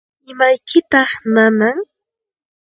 ¿Imaykitaq nanan?